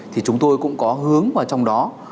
thì chúng tôi cũng có hướng vào trong đó